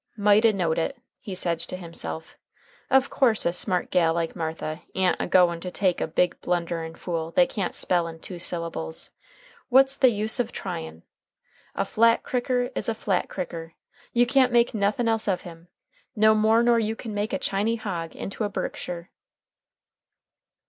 "Might a knowed it," he said to himself. "Of course, a smart gal like Martha a'n't agoin' to take a big, blunderin' fool that can't spell in two syllables. What's the use of tryin'? A Flat Cricker Is a Flat Cricker. You can't make nothin' else of him, no more nor you can make a Chiny hog into a Berkshire."